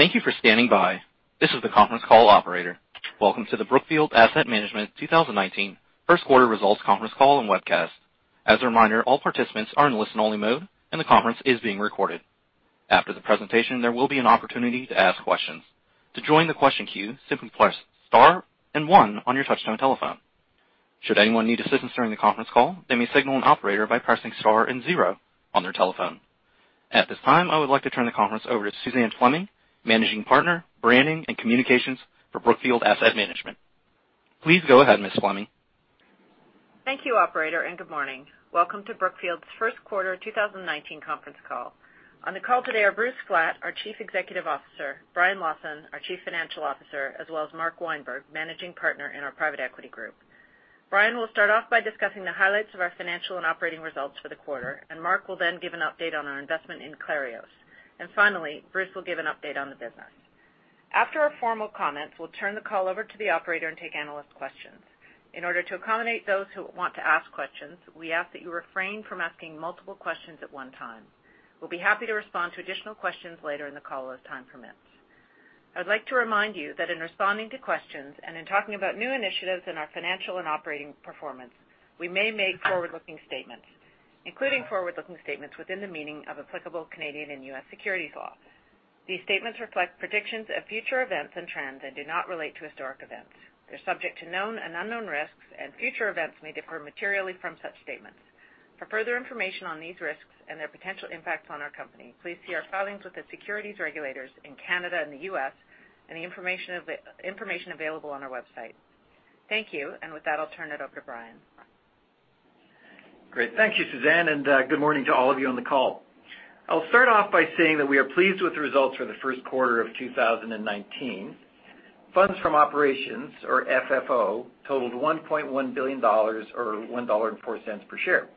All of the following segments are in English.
Thank you for standing by. This is the conference call operator. Welcome to the Brookfield Asset Management 2019 first quarter results conference call and webcast. As a reminder, all participants are in listen-only mode, and the conference is being recorded. After the presentation, there will be an opportunity to ask questions. To join the question queue, simply press star and one on your touch-tone telephone. Should anyone need assistance during the conference call, they may signal an operator by pressing star and zero on their telephone. At this time, I would like to turn the conference over to Suzanne Fleming, Managing Partner, Branding and Communications for Brookfield Asset Management. Please go ahead, Ms. Fleming. Thank you, operator. Good morning. Welcome to Brookfield's first quarter 2019 conference call. On the call today are Bruce Flatt, our Chief Executive Officer, Brian Lawson, our Chief Financial Officer, as well as Mark Weinberg, Managing Partner in our private equity group. Brian will start off by discussing the highlights of our financial and operating results for the quarter, and Mark will then give an update on our investment in Clarios. Finally, Bruce will give an update on the business. After our formal comments, we will turn the call over to the operator and take analyst questions. In order to accommodate those who want to ask questions, we ask that you refrain from asking multiple questions at one time. We will be happy to respond to additional questions later in the call as time permits. I would like to remind you that in responding to questions and in talking about new initiatives in our financial and operating performance, we may make forward-looking statements, including forward-looking statements within the meaning of applicable Canadian and U.S. securities law. These statements reflect predictions of future events and trends and do not relate to historic events. They are subject to known and unknown risks, and future events may differ materially from such statements. For further information on these risks and their potential impacts on our company, please see our filings with the securities regulators in Canada and the U.S., and the information available on our website. Thank you. With that, I will turn it over to Brian. Great. Thank you, Suzanne. Good morning to all of you on the call. I will start off by saying that we are pleased with the results for the first quarter of 2019. Funds from operations, or FFO, totaled $1.1 billion, or $1.04 per share.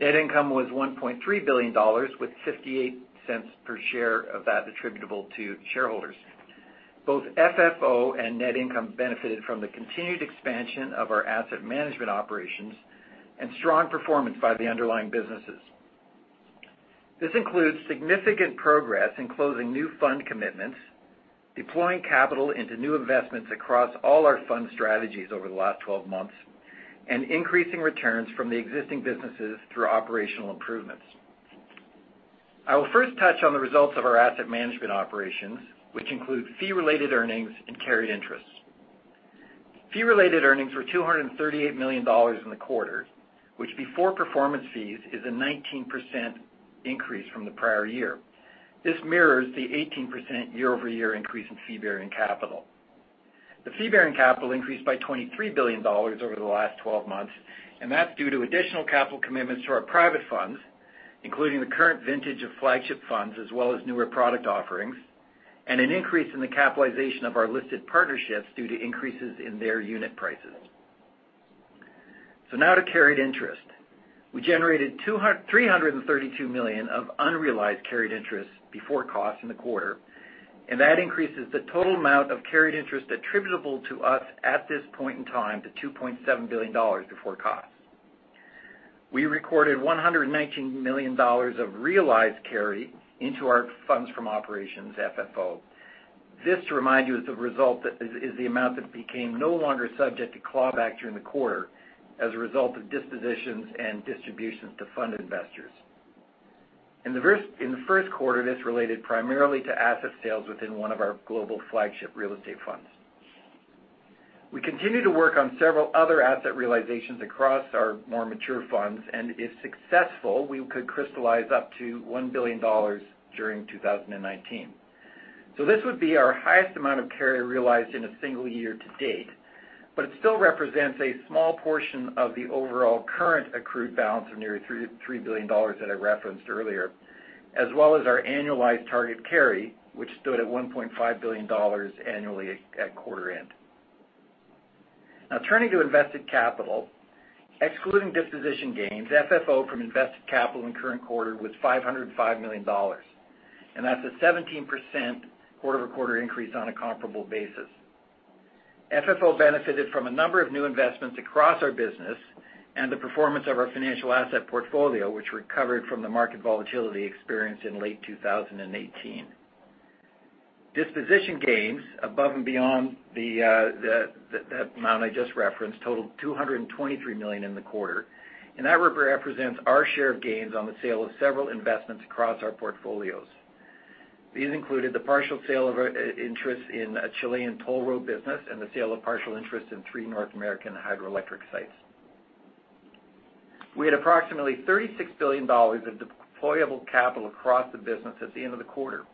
Net income was $1.3 billion, with $0.58 per share of that attributable to shareholders. Both FFO and net income benefited from the continued expansion of our asset management operations and strong performance by the underlying businesses. This includes significant progress in closing new fund commitments, deploying capital into new investments across all our fund strategies over the last 12 months, and increasing returns from the existing businesses through operational improvements. I will first touch on the results of our asset management operations, which include fee-related earnings and carried interest. Fee-related earnings were $238 million in the quarter, which before performance fees is a 19% increase from the prior year. This mirrors the 18% year-over-year increase in fee-bearing capital. The fee-bearing capital increased by $23 billion over the last 12 months, and that's due to additional capital commitments to our private funds, including the current vintage of flagship funds, as well as newer product offerings, and an increase in the capitalization of our listed partnerships due to increases in their unit prices. Now to carried interest. We generated $332 million of unrealized carried interest before cost in the quarter, and that increases the total amount of carried interest attributable to us at this point in time to $2.7 billion before cost. We recorded $119 million of realized carry into our funds from operations, FFO. This, to remind you, is the amount that became no longer subject to clawback during the quarter as a result of dispositions and distributions to fund investors. In the first quarter, this related primarily to asset sales within one of our global flagship real estate funds. We continue to work on several other asset realizations across our more mature funds, and if successful, we could crystallize up to $1 billion during 2019. This would be our highest amount of carry realized in a single year to date. It still represents a small portion of the overall current accrued balance of nearly $3 billion that I referenced earlier, as well as our annualized target carry, which stood at $1.5 billion annually at quarter end. Turning to invested capital. Excluding disposition gains, FFO from invested capital in current quarter was $505 million. That's a 17% quarter-over-quarter increase on a comparable basis. FFO benefited from a number of new investments across our business and the performance of our financial asset portfolio, which recovered from the market volatility experienced in late 2018. Disposition gains above and beyond the amount I just referenced totaled $223 million in the quarter, and that represents our share of gains on the sale of several investments across our portfolios. These included the partial sale of our interest in a Chilean toll road business and the sale of partial interest in three North American hydroelectric sites. We had approximately $36 billion of deployable capital across the business at the end of the quarter.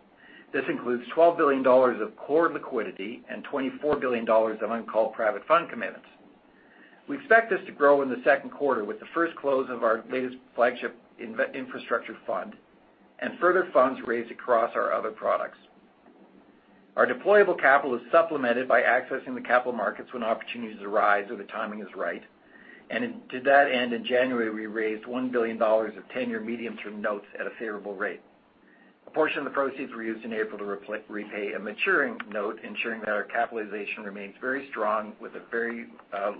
This includes $12 billion of core liquidity and $24 billion of uncalled private fund commitments. We expect this to grow in the second quarter with the first close of our latest flagship infrastructure fund and further funds raised across our other products. Our deployable capital is supplemented by accessing the capital markets when opportunities arise or the timing is right. To that end, in January, we raised $1 billion of 10-year medium-term notes at a favorable rate. A portion of the proceeds were used in April to repay a maturing note, ensuring that our capitalization remains very strong with a very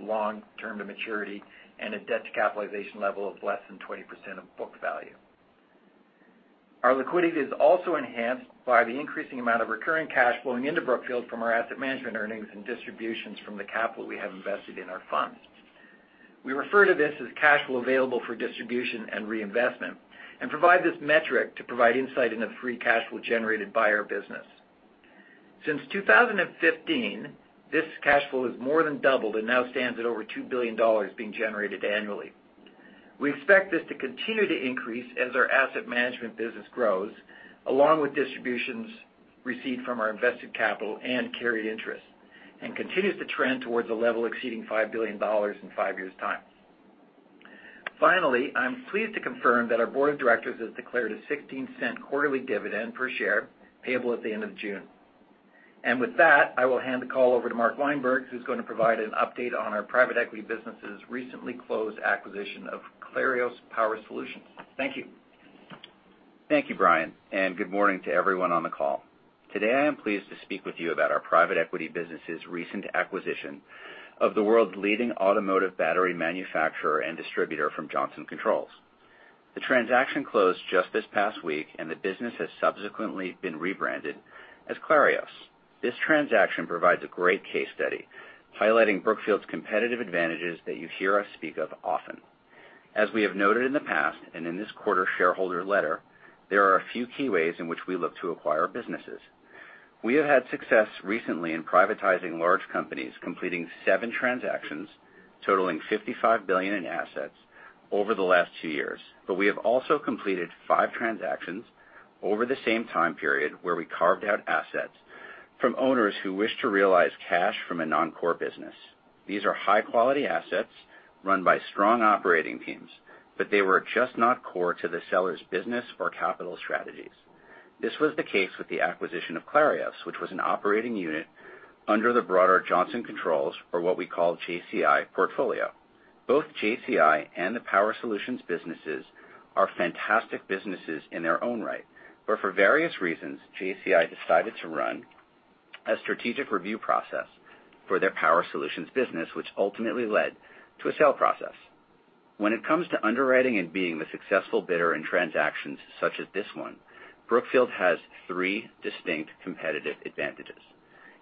long term to maturity and a debt to capitalization level of less than 20% of book value. Our liquidity is also enhanced by the increasing amount of recurring cash flowing into Brookfield from our asset management earnings and distributions from the capital we have invested in our funds. We refer to this as cash flow available for distribution and reinvestment and provide this metric to provide insight into the free cash flow generated by our business. Since 2015, this cash flow has more than doubled and now stands at over $2 billion being generated annually. We expect this to continue to increase as our asset management business grows, along with distributions received from our invested capital and carried interest, and continues to trend towards a level exceeding $5 billion in five years' time. Finally, I'm pleased to confirm that our board of directors has declared a $0.16 quarterly dividend per share, payable at the end of June. With that, I will hand the call over to Mark Weinberg, who's going to provide an update on our private equity business' recently closed acquisition of Clarios Power Solutions. Thank you. Thank you, Brian, and good morning to everyone on the call. Today, I am pleased to speak with you about our private equity business' recent acquisition of the world's leading automotive battery manufacturer and distributor from Johnson Controls. The transaction closed just this past week, and the business has subsequently been rebranded as Clarios. This transaction provides a great case study highlighting Brookfield's competitive advantages that you hear us speak of often. As we have noted in the past, in this quarter's shareholder letter, there are a few key ways in which we look to acquire businesses. We have had success recently in privatizing large companies, completing seven transactions totaling $55 billion in assets over the last two years. We have also completed five transactions over the same time period, where we carved out assets from owners who wish to realize cash from a non-core business. These are high-quality assets run by strong operating teams, but they were just not core to the seller's business or capital strategies. This was the case with the acquisition of Clarios, which was an operating unit under the broader Johnson Controls or what we call JCI portfolio. Both JCI and the Power Solutions businesses are fantastic businesses in their own right. For various reasons, JCI decided to run a strategic review process for their Power Solutions business, which ultimately led to a sale process. When it comes to underwriting and being the successful bidder in transactions such as this one, Brookfield has three distinct competitive advantages.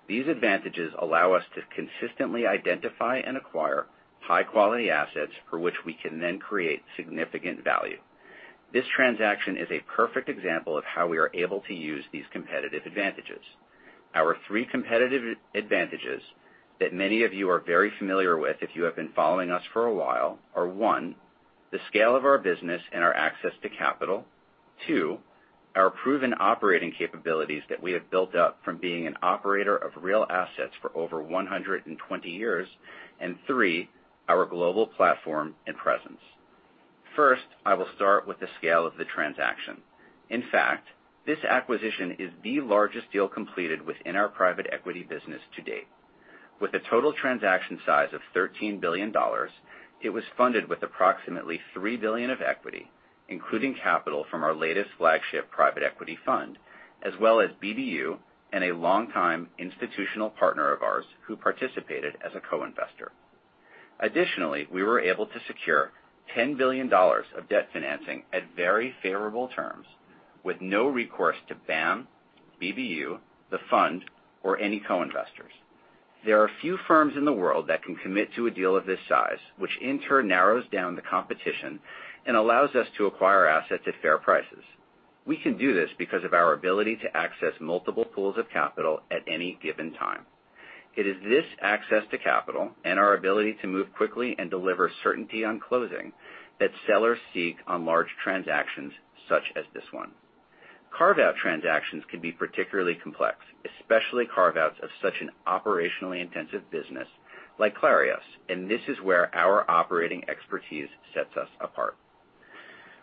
These advantages allow us to consistently identify and acquire high-quality assets for which we can then create significant value. This transaction is a perfect example of how we are able to use these competitive advantages. Our three competitive advantages that many of you are very familiar with if you have been following us for a while, are, one, the scale of our business and our access to capital. Two, our proven operating capabilities that we have built up from being an operator of real assets for over 120 years. Three, our global platform and presence. First, I will start with the scale of the transaction. In fact, this acquisition is the largest deal completed within our private equity business to date. With a total transaction size of $13 billion, it was funded with approximately $3 billion of equity, including capital from our latest flagship private equity fund, as well as BBU and a longtime institutional partner of ours who participated as a co-investor. We were able to secure $10 billion of debt financing at very favorable terms with no recourse to BAM, BBU, the fund, or any co-investors. There are few firms in the world that can commit to a deal of this size, which in turn narrows down the competition and allows us to acquire assets at fair prices. We can do this because of our ability to access multiple pools of capital at any given time. It is this access to capital and our ability to move quickly and deliver certainty on closing that sellers seek on large transactions such as this one. Carve-out transactions can be particularly complex, especially carve-outs of such an operationally intensive business like Clarios, this is where our operating expertise sets us apart.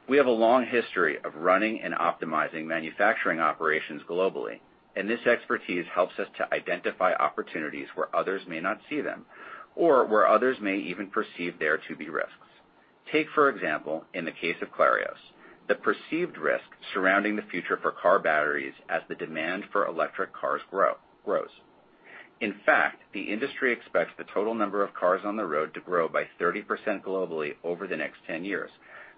We have a long history of running and optimizing manufacturing operations globally, this expertise helps us to identify opportunities where others may not see them or where others may even perceive there to be risks. Take, for example, in the case of Clarios, the perceived risk surrounding the future for car batteries as the demand for electric cars grows. In fact, the industry expects the total number of cars on the road to grow by 30% globally over the next 10 years,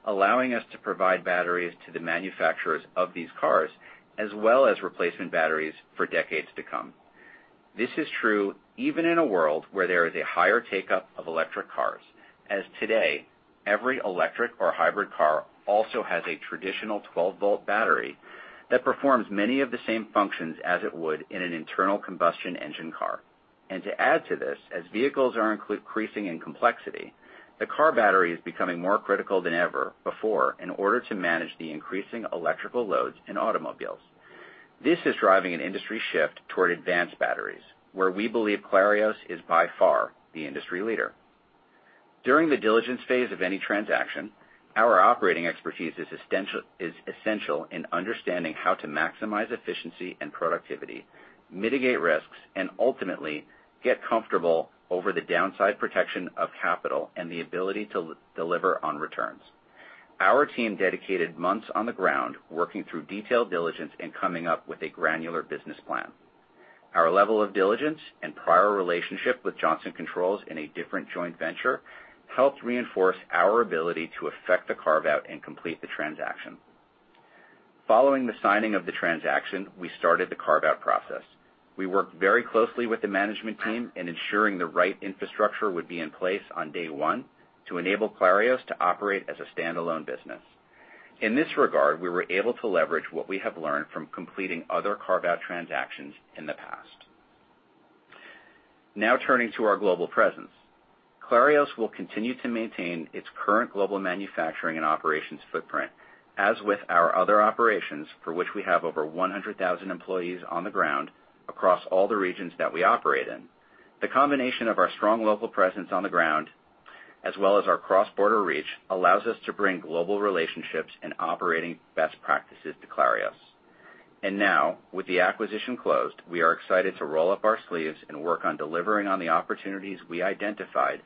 allowing us to provide batteries to the manufacturers of these cars, as well as replacement batteries for decades to come. This is true even in a world where there is a higher take-up of electric cars, as today, every electric or hybrid car also has a traditional 12-volt battery that performs many of the same functions as it would in an internal combustion engine car. To add to this, as vehicles are increasing in complexity, the car battery is becoming more critical than ever before in order to manage the increasing electrical loads in automobiles. This is driving an industry shift toward advanced batteries, where we believe Clarios is by far the industry leader. During the diligence phase of any transaction, our operating expertise is essential in understanding how to maximize efficiency and productivity, mitigate risks, and ultimately get comfortable over the downside protection of capital and the ability to deliver on returns. Our team dedicated months on the ground working through detailed diligence and coming up with a granular business plan. Our level of diligence and prior relationship with Johnson Controls in a different joint venture helped reinforce our ability to affect the carve-out and complete the transaction. Following the signing of the transaction, we started the carve-out process. We worked very closely with the management team in ensuring the right infrastructure would be in place on day one to enable Clarios to operate as a standalone business. In this regard, we were able to leverage what we have learned from completing other carve-out transactions in the past. Now turning to our global presence. Clarios will continue to maintain its current global manufacturing and operations footprint as with our other operations, for which we have over 100,000 employees on the ground across all the regions that we operate in. The combination of our strong local presence on the ground, as well as our cross-border reach, allows us to bring global relationships and operating best practices to Clarios. Now, with the acquisition closed, we are excited to roll up our sleeves and work on delivering on the opportunities we identified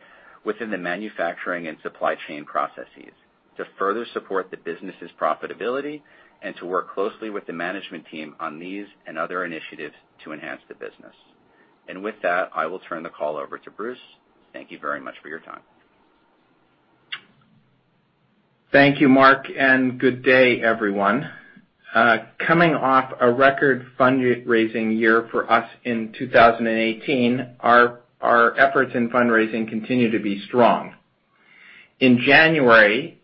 within the manufacturing and supply chain processes to further support the business's profitability and to work closely with the management team on these and other initiatives to enhance the business. With that, I will turn the call over to Bruce. Thank you very much for your time. Thank you, Mark, and good day everyone. Coming off a record fundraising year for us in 2018, our efforts in fundraising continue to be strong. In January,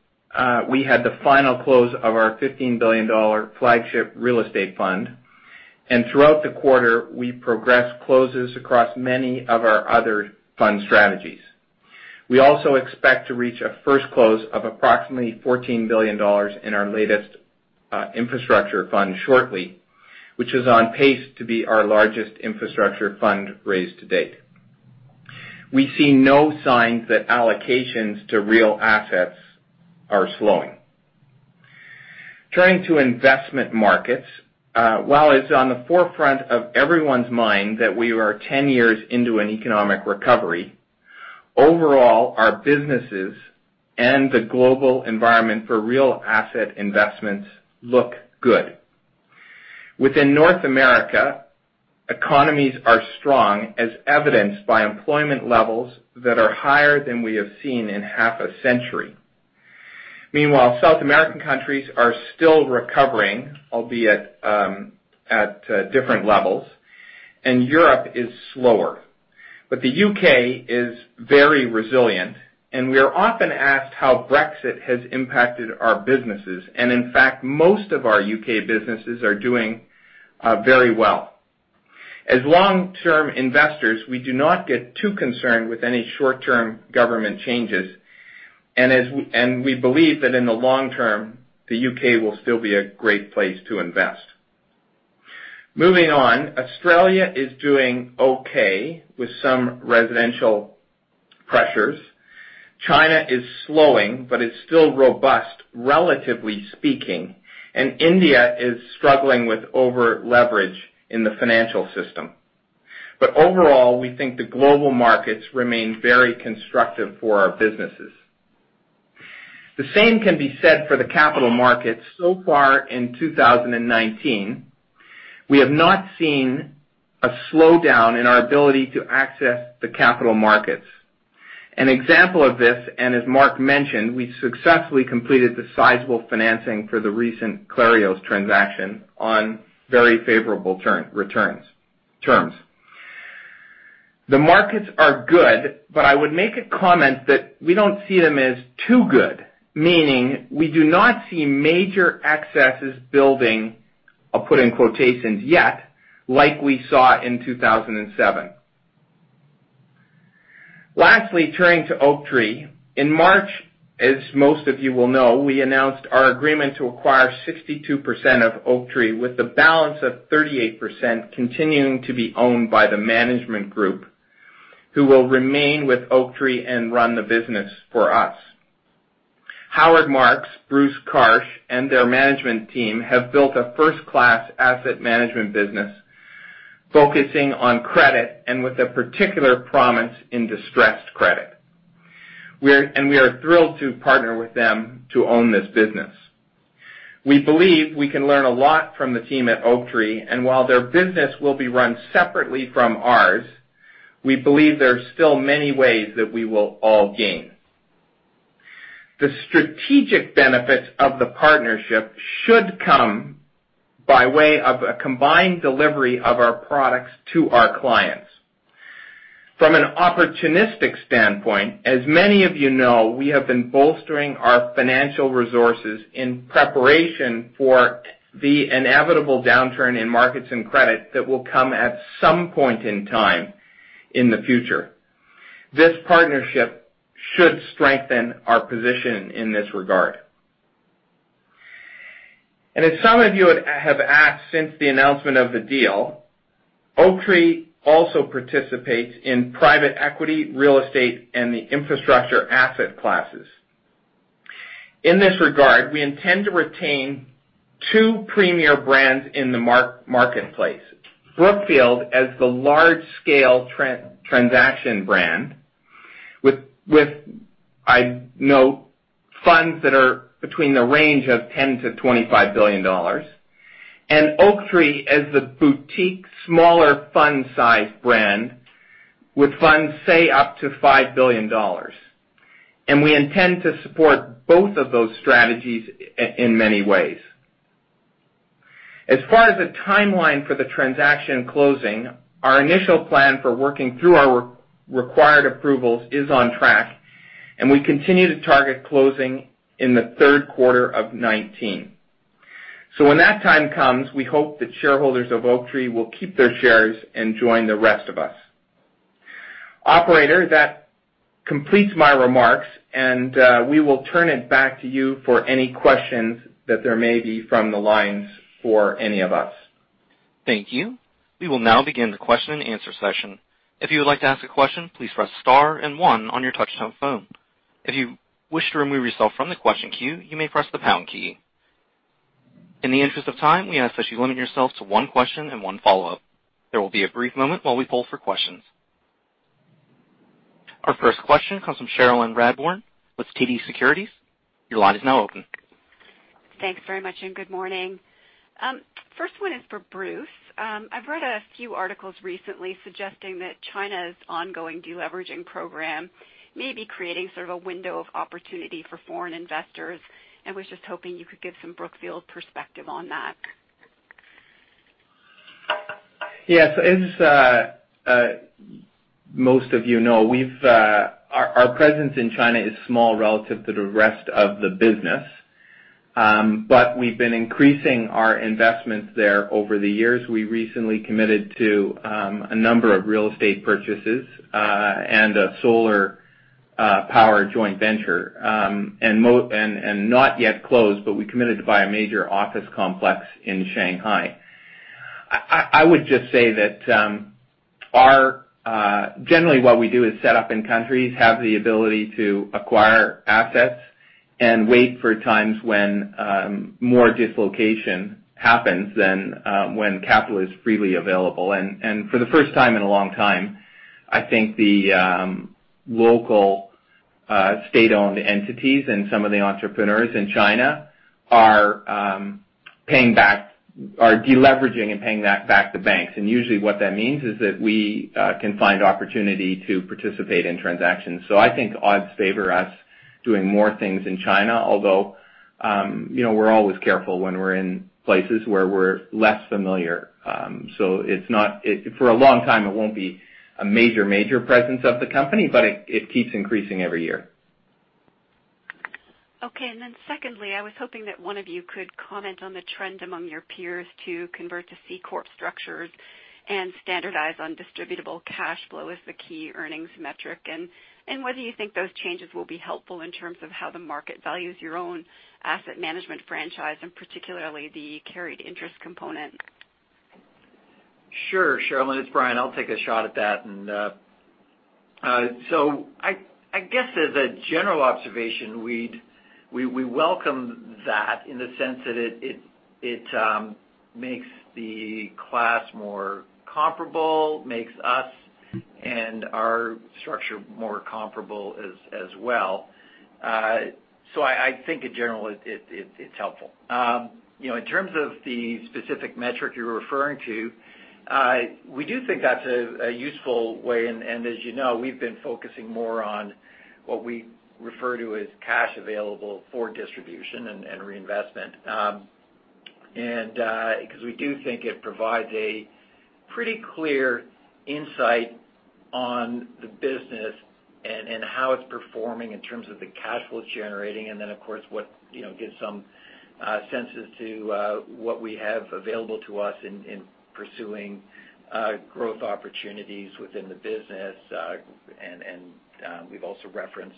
we had the final close of our $15 billion flagship real estate fund. Throughout the quarter, we progressed closes across many of our other fund strategies. We also expect to reach a first close of approximately $14 billion in our latest infrastructure fund shortly, which is on pace to be our largest infrastructure fund raised to date. We see no signs that allocations to real assets are slowing. Turning to investment markets. While it's on the forefront of everyone's mind that we are 10 years into an economic recovery, overall, our businesses and the global environment for real asset investments look good. Within North America, economies are strong, as evidenced by employment levels that are higher than we have seen in half a century. Meanwhile, South American countries are still recovering, albeit at different levels. Europe is slower. The U.K. is very resilient. We are often asked how Brexit has impacted our businesses. In fact, most of our U.K. businesses are doing very well. As long-term investors, we do not get too concerned with any short-term government changes. We believe that in the long term, the U.K. will still be a great place to invest. Moving on. Australia is doing okay with some residential pressures. China is slowing, is still robust, relatively speaking. India is struggling with over-leverage in the financial system. Overall, we think the global markets remain very constructive for our businesses. The same can be said for the capital markets. Far in 2019, we have not seen a slowdown in our ability to access the capital markets. An example of this, as Mark mentioned, we successfully completed the sizable financing for the recent Clarios transaction on very favorable terms. The markets are good. I would make a comment that we don't see them as too good, meaning we do not see major excesses building, I'll put in quotations, "yet," like we saw in 2007. Lastly, turning to Oaktree. In March, as most of you will know, we announced our agreement to acquire 62% of Oaktree with the balance of 38% continuing to be owned by the management group, who will remain with Oaktree and run the business for us. Howard Marks, Bruce Karsh, their management team have built a first-class asset management business focusing on credit and with a particular promise in distressed credit. We are thrilled to partner with them to own this business. We believe we can learn a lot from the team at Oaktree, and while their business will be run separately from ours, we believe there's still many ways that we will all gain. The strategic benefits of the partnership should come by way of a combined delivery of our products to our clients. From an opportunistic standpoint, as many of you know, we have been bolstering our financial resources in preparation for the inevitable downturn in markets and credit that will come at some point in time in the future. This partnership should strengthen our position in this regard. As some of you have asked since the announcement of the deal, Oaktree also participates in private equity, real estate, and the infrastructure asset classes. In this regard, we intend to retain two premier brands in the marketplace. Brookfield as the large-scale transaction brand, with, I know, funds that are between the range of $10 billion-$25 billion. Oaktree, as a boutique smaller fund size brand, with funds, say, up to $5 billion. We intend to support both of those strategies, in many ways. As far as a timeline for the transaction closing, our initial plan for working through our required approvals is on track, and we continue to target closing in the third quarter of 2019. When that time comes, we hope that shareholders of Oaktree will keep their shares and join the rest of us. Operator, that completes my remarks, and we will turn it back to you for any questions that there may be from the lines for any of us. Thank you. We will now begin the question and answer session. If you would like to ask a question, please press star and one on your touchtone phone. If you wish to remove yourself from the question queue, you may press the pound key. In the interest of time, we ask that you limit yourself to one question and one follow-up. There will be a brief moment while we poll for questions. Our first question comes from Cherilyn Radbourne with TD Securities. Your line is now open. Thanks very much. Good morning. First one is for Bruce. I've read a few articles recently suggesting that China's ongoing de-leveraging program may be creating sort of a window of opportunity for foreign investors. Was just hoping you could give some Brookfield perspective on that. Yes. As most of you know, our presence in China is small relative to the rest of the business. We've been increasing our investments there over the years. We recently committed to a number of real estate purchases and a solar power joint venture. Not yet closed, but we committed to buy a major office complex in Shanghai. I would just say that generally what we do is set up in countries, have the ability to acquire assets, and wait for times when more dislocation happens than when capital is freely available. For the first time in a long time, I think the local state-owned entities and some of the entrepreneurs in China are de-leveraging and paying that back to banks. Usually what that means is that we can find opportunity to participate in transactions. I think odds favor us doing more things in China, although we're always careful when we're in places where we're less familiar. For a long time, it won't be a major presence of the company, but it keeps increasing every year. Okay. Secondly, I was hoping that one of you could comment on the trend among your peers to convert to C Corp structures and standardize on distributable cash flow as the key earnings metric, and whether you think those changes will be helpful in terms of how the market values your own asset management franchise, and particularly the carried interest component. Sure, Cherilyn, it's Brian. I'll take a shot at that. I guess as a general observation, we welcome that in the sense that it makes the class more comparable, makes us and our structure more comparable as well. I think in general, it's helpful. In terms of the specific metric you're referring to, we do think that's a useful way, and as you know, we've been focusing more on what we refer to as cash available for distribution and reinvestment. Because we do think it provides a pretty clear insight on the business and how it's performing in terms of the cash flow it's generating. Then, of course, what gives some senses to what we have available to us in pursuing growth opportunities within the business. We've also referenced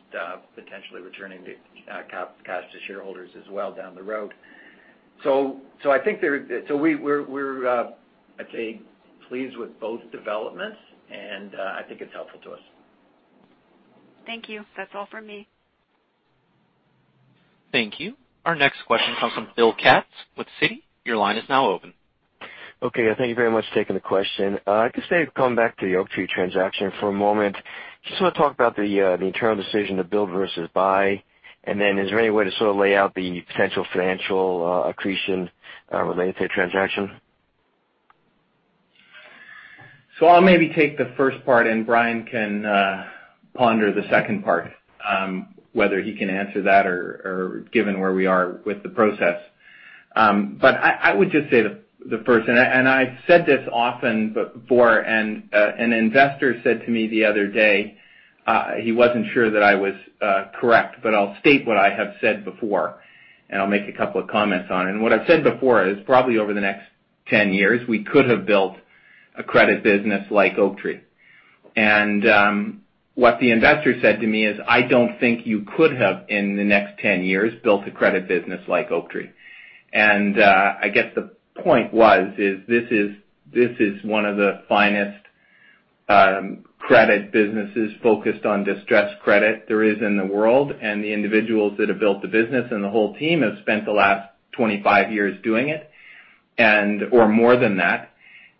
potentially returning the cash to shareholders as well down the road. We're, I'd say, pleased with both developments, and I think it's helpful to us. Thank you. That's all for me. Thank you. Our next question comes from William Katz with Citi. Your line is now open. Thank you very much. Taking the question. I guess I'd come back to the Oaktree transaction for a moment. Just want to talk about the internal decision to build versus buy, and then is there any way to sort of lay out the potential financial accretion related to the transaction? I'll maybe take the first part, and Brian can ponder the second part, whether he can answer that or given where we are with the process. I would just say the first, and I've said this often before, and an investor said to me the other day, he wasn't sure that I was correct, but I'll state what I have said before, and I'll make a couple of comments on it. What I've said before is probably over the next 10 years, we could have built a credit business like Oaktree. What the investor said to me is, "I don't think you could have, in the next 10 years, built a credit business like Oaktree." I guess the point was is this is one of the finest credit businesses focused on distressed credit there is in the world. The individuals that have built the business and the whole team have spent the last 25 years doing it, or more than that.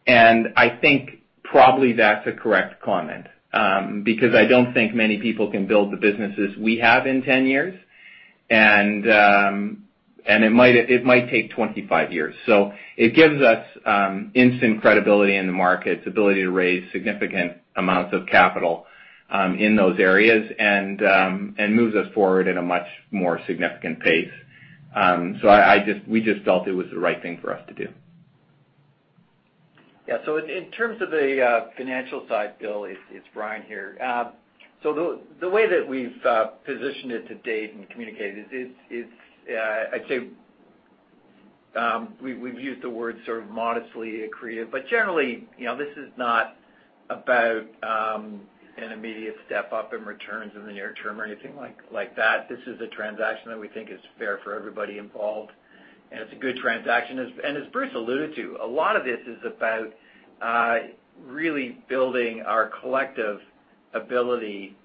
I think probably that's a correct comment, because I don't think many people can build the businesses we have in 10 years. It might take 25 years. It gives us instant credibility in the markets, ability to raise significant amounts of capital in those areas and moves us forward in a much more significant pace. We just felt it was the right thing for us to do. Yeah. In terms of the financial side, Bill, it's Brian here. The way that we've positioned it to date and communicated is, I'd say we've used the word sort of modestly accretive. Generally, this is not about an immediate step up in returns in the near term or anything like that. This is a transaction that we think is fair for everybody involved, and it's a good transaction. As Bruce alluded to, a lot of this is about really building our collective ability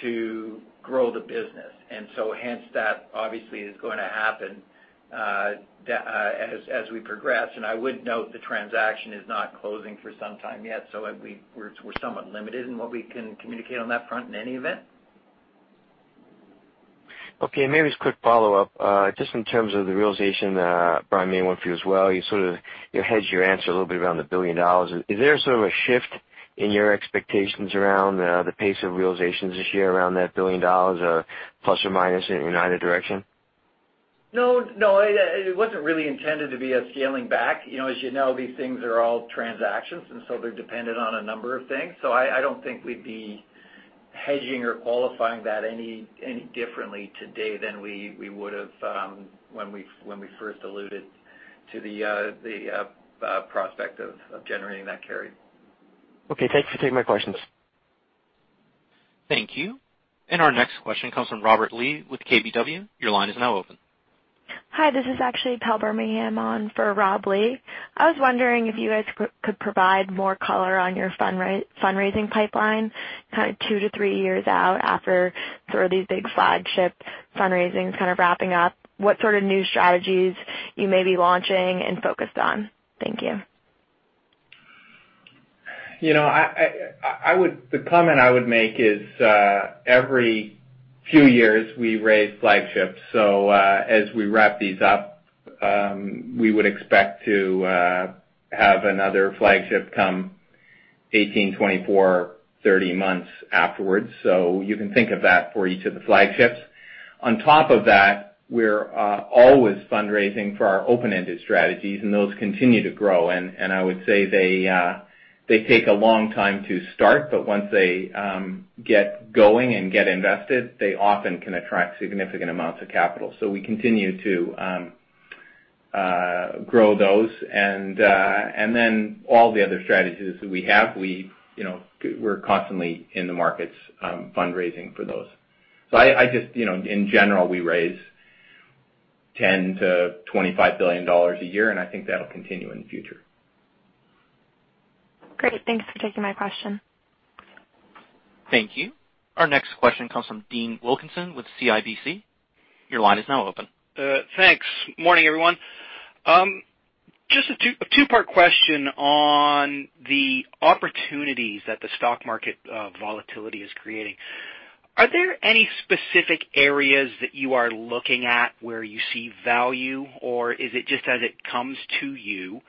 to grow the business. Hence that obviously is going to happen as we progress. I would note the transaction is not closing for some time yet, so we're somewhat limited in what we can communicate on that front in any event. Okay, maybe just a quick follow-up. Just in terms of the realization, Brian, maybe one for you as well, you sort of hedged your answer a little bit around the $1 billion. Is there sort of a shift in your expectations around the pace of realizations this year around that $1 billion or plus or minus in either direction? No, it wasn't really intended to be a scaling back. As you know, these things are all transactions, they're dependent on a number of things. I don't think we'd be hedging or qualifying that any differently today than we would've when we first alluded to the prospect of generating that carry. Okay, thanks for taking my questions. Thank you. Our next question comes from Robert Lee with KBW. Your line is now open. This is actually Paul Newsome on for Rob Lee. I was wondering if you guys could provide more color on your fundraising pipeline, kind of two to three years out after sort of these big flagship fundraisings kind of wrapping up. What sort of new strategies you may be launching and focused on. Thank you. The comment I would make is every few years we raise flagships. As we wrap these up, we would expect to have another flagship come 18, 24, 30 months afterwards. You can think of that for each of the flagships. On top of that, we're always fundraising for our open-ended strategies, those continue to grow. I would say they take a long time to start, once they get going and get invested, they often can attract significant amounts of capital. We continue to grow those all the other strategies that we have, we're constantly in the markets fundraising for those. In general, we raise $10 billion-$25 billion a year, I think that'll continue in the future. Great. Thanks for taking my question. Thank you. Our next question comes from Dean Wilkinson with CIBC. Your line is now open. Thanks. Morning, everyone. Just a two-part question on the opportunities that the stock market volatility is creating. Are there any specific areas that you are looking at where you see value, is it just as it comes to you?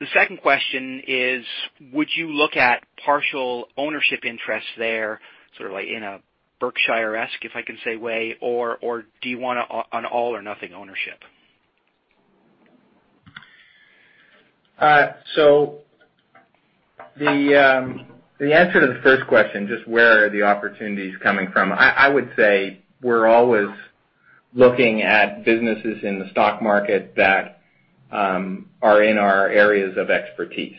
The second question is, would you look at partial ownership interests there, sort of like in a Berkshire-esque, if I can say, way, do you want an all or nothing ownership? The answer to the first question, just where are the opportunities coming from? I would say we're always looking at businesses in the stock market that are in our areas of expertise.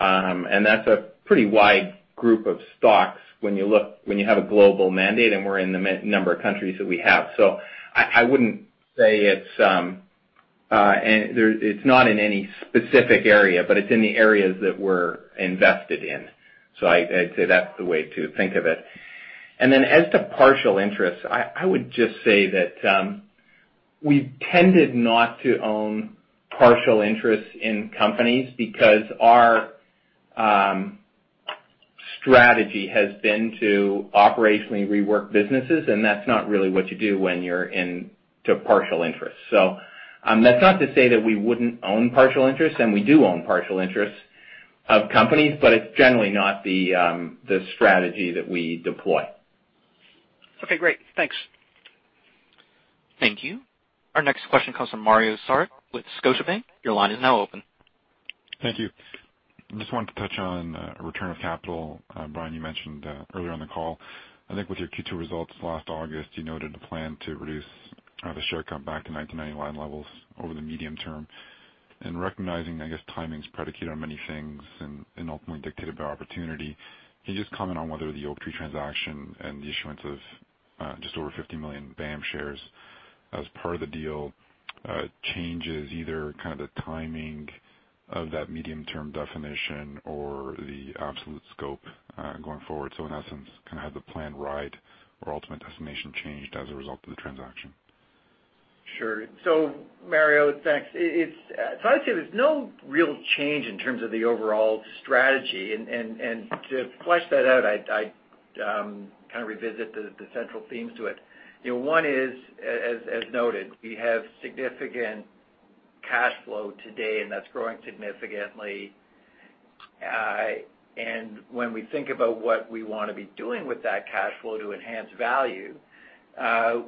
That's a pretty wide group of stocks when you have a global mandate and we're in the number of countries that we have. I wouldn't say it's not in any specific area, but it's in the areas that we're invested in. I'd say that's the way to think of it. Then as to partial interest, I would just say that we've tended not to own partial interest in companies because our strategy has been to operationally rework businesses, and that's not really what you do when you're into partial interest. That's not to say that we wouldn't own partial interest, and we do own partial interest of companies, but it's generally not the strategy that we deploy. Okay, great. Thanks. Thank you. Our next question comes from Mario Saric with Scotiabank. Your line is now open. Thank you. I just wanted to touch on return of capital. Brian Lawson, you mentioned earlier on the call, I think with your Q2 results last August, you noted a plan to reduce the share count back to 1999 levels over the medium term. Recognizing, I guess timing's predicated on many things and ultimately dictated by opportunity. Can you just comment on whether the Oaktree transaction and the issuance of just over 50 million BAM shares as part of the deal changes either kind of the timing of that medium-term definition or the absolute scope going forward? In essence, kind of has the plan ride or ultimate destination changed as a result of the transaction? Sure. Mario Saric, thanks. I'd say there's no real change in terms of the overall strategy. To flesh that out, I kind of revisit the central themes to it. One is, as noted, we have significant cash flow today, and that's growing significantly. When we think about what we want to be doing with that cash flow to enhance value,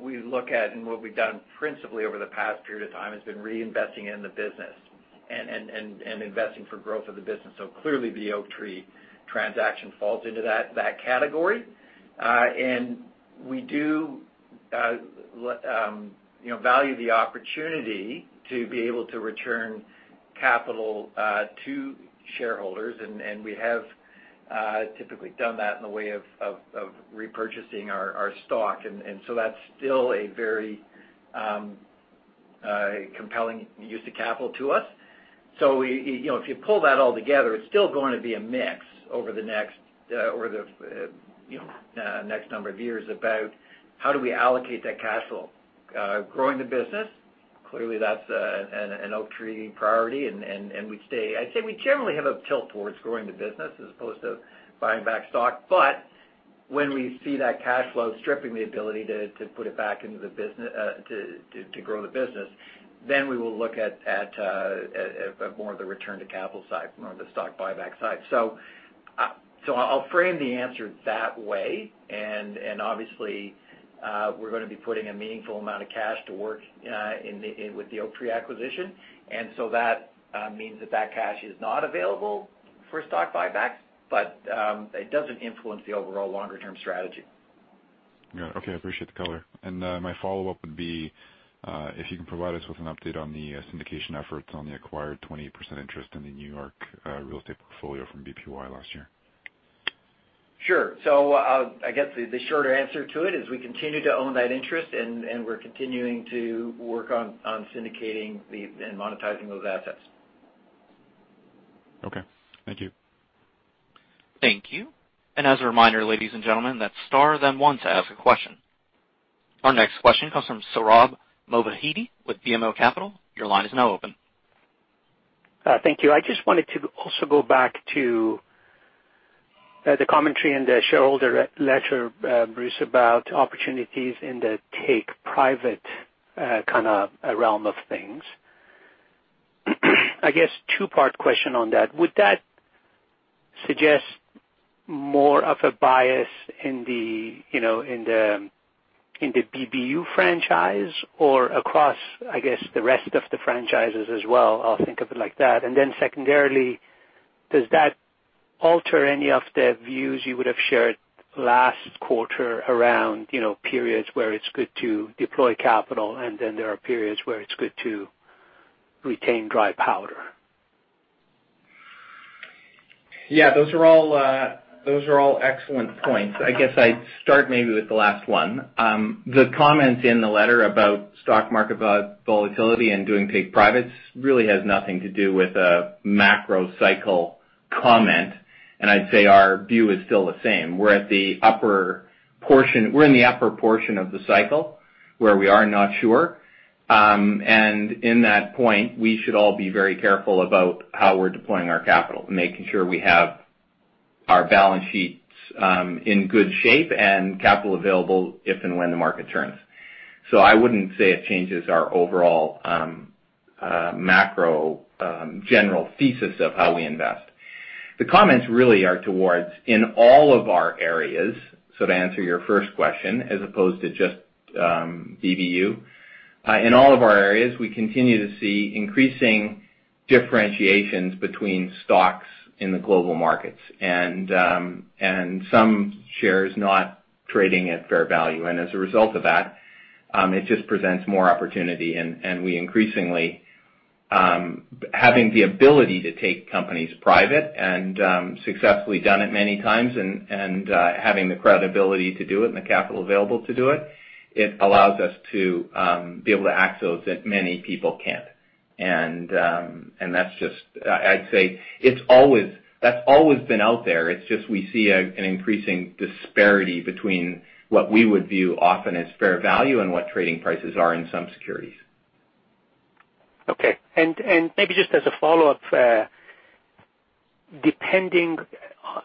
we look at and what we've done principally over the past period of time has been reinvesting in the business and investing for growth of the business. Clearly, the Oaktree transaction falls into that category. We do value the opportunity to be able to return capital to shareholders. We have typically done that in the way of repurchasing our stock. That's still a very compelling use of capital to us. If you pull that all together, it's still going to be a mix over the next number of years about how do we allocate that cash flow. Growing the business, clearly that's an Oaktree priority, and I'd say we generally have a tilt towards growing the business as opposed to buying back stock. When we see that cash flow stripping the ability to grow the business, we will look at more of the return to capital side, more of the stock buyback side. I'll frame the answer that way, and obviously, we're going to be putting a meaningful amount of cash to work with the Oaktree acquisition. That means that that cash is not available for stock buybacks, but it doesn't influence the overall longer-term strategy. Yeah. Okay, I appreciate the color. My follow-up would be if you can provide us with an update on the syndication efforts on the acquired 20% interest in the New York real estate portfolio from BPY last year. Sure. I guess the shorter answer to it is we continue to own that interest, and we're continuing to work on syndicating and monetizing those assets. Okay. Thank you. Thank you. As a reminder, ladies and gentlemen, that's star then one to ask a question. Our next question comes from Sohrab Movahedi with BMO Capital. Your line is now open. Thank you. I just wanted to also go back to the commentary in the shareholder letter, Bruce, about opportunities in the take private kind of realm of things. I guess two-part question on that. Would that suggest more of a bias in the BBU franchise or across, I guess, the rest of the franchises as well? I'll think of it like that. Then secondarily, does that alter any of the views you would have shared last quarter around periods where it's good to deploy capital and then there are periods where it's good to retain dry powder? Yeah, those are all excellent points. I guess I'd start maybe with the last one. The comments in the letter about stock market volatility and doing take privates really has nothing to do with a macro cycle comment. I'd say our view is still the same. We're in the upper portion of the cycle where we are not sure. In that point, we should all be very careful about how we're deploying our capital and making sure we have our balance sheets in good shape and capital available if and when the market turns. I wouldn't say it changes our overall macro general thesis of how we invest. The comments really are towards in all of our areas. To answer your first question, as opposed to just BBU. In all of our areas, we continue to see increasing differentiations between stocks in the global markets and some shares not trading at fair value. As a result of that, it just presents more opportunity, and we increasingly having the ability to take companies private and successfully done it many times and having the credibility to do it and the capital available to do it allows us to be able to act so that many people can't. I'd say that's always been out there. It's just we see an increasing disparity between what we would view often as fair value and what trading prices are in some securities. Okay. Maybe just as a follow-up, depending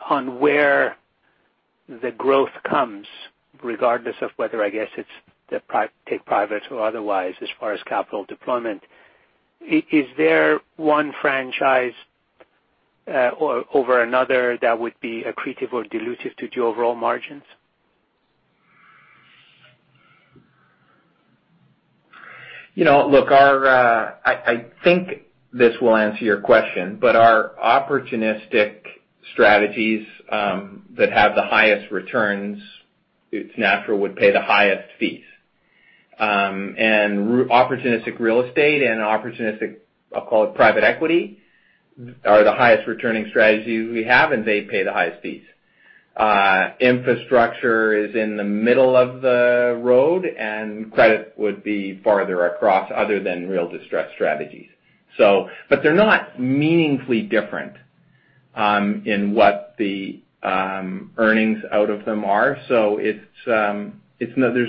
on where the growth comes, regardless of whether, I guess it's the take private or otherwise as far as capital deployment, is there one franchise over another that would be accretive or dilutive to your overall margins? Look, I think this will answer your question, our opportunistic strategies that have the highest returns, it's natural, would pay the highest fees. Opportunistic real estate and opportunistic, I'll call it private equity, are the highest returning strategies we have, and they pay the highest fees. Infrastructure is in the middle of the road, and credit would be farther across other than real distressed strategies. They're not meaningfully different. In what the earnings out of them are. There's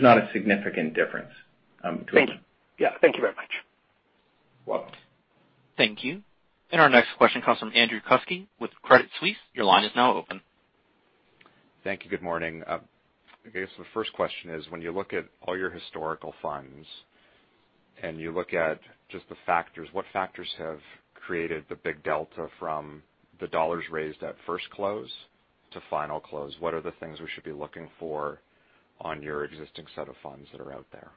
not a significant difference between them. Thank you. Yeah, thank you very much. Welcome. Thank you. Our next question comes from Andrew Kuske with Credit Suisse. Your line is now open. Thank you. Good morning. I guess the first question is, when you look at all your historical funds, and you look at just the factors, what factors have created the big delta from the dollars raised at first close to final close? What are the things we should be looking for on your existing set of funds that are out there?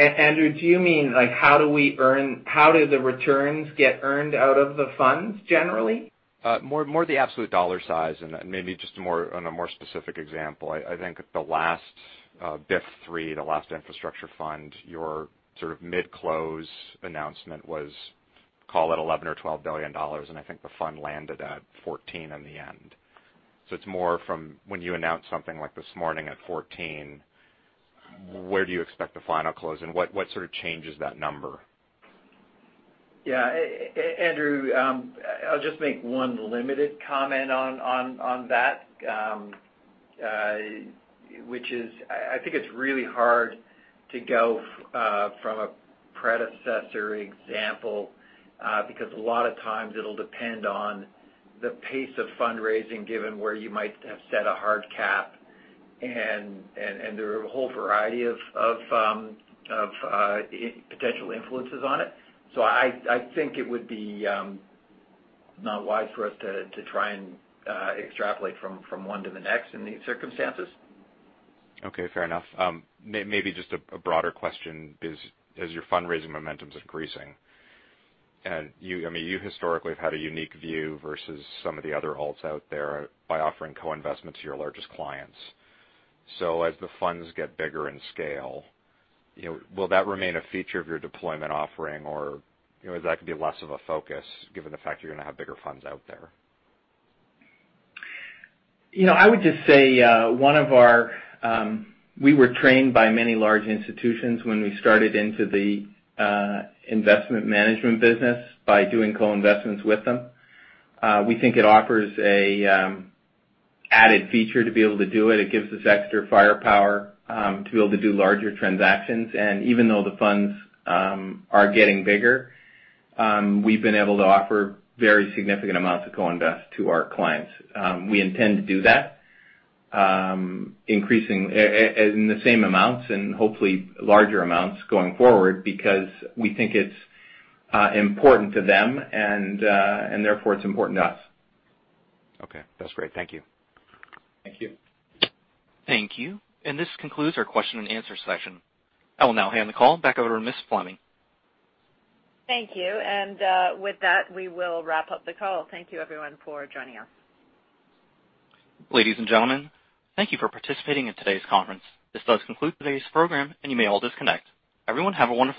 Andrew, do you mean how do the returns get earned out of the funds generally? More the absolute dollar size and maybe just on a more specific example. I think the last BIP three, the last infrastructure fund, your sort of mid-close announcement was, call it $11 billion or $12 billion, and I think the fund landed at $14 billion in the end. It's more from when you announce something like this morning at $14 billion, where do you expect the final close and what sort of changes that number? Yeah. Andrew, I'll just make one limited comment on that, which is, I think it's really hard to go from a predecessor example, because a lot of times it'll depend on the pace of fundraising given where you might have set a hard cap, and there are a whole variety of potential influences on it. I think it would be not wise for us to try and extrapolate from one to the next in these circumstances. Okay, fair enough. Maybe just a broader question, as your fundraising momentum's increasing, you historically have had a unique view versus some of the other alts out there by offering co-investments to your largest clients. As the funds get bigger in scale, will that remain a feature of your deployment offering or is that going to be less of a focus given the fact you're going to have bigger funds out there? I would just say we were trained by many large institutions when we started into the investment management business by doing co-investments with them. We think it offers an added feature to be able to do it. It gives us extra firepower to be able to do larger transactions. Even though the funds are getting bigger, we've been able to offer very significant amounts of co-invest to our clients. We intend to do that increasing in the same amounts and hopefully larger amounts going forward because we think it's important to them and therefore it's important to us. Okay, that's great. Thank you. Thank you. Thank you. This concludes our question and answer session. I will now hand the call back over to Ms. Fleming. Thank you. With that, we will wrap up the call. Thank you everyone for joining us. Ladies and gentlemen, thank you for participating in today's conference. This does conclude today's program, and you may all disconnect. Everyone have a wonderful day.